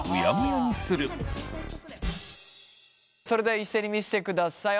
それでは一斉に見してください